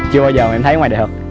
chưa bao giờ em thấy ngoài đời thật